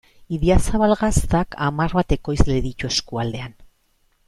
Idiazabal Gaztak hamar bat ekoizle ditu eskualdean.